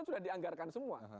sudah dianggarkan semua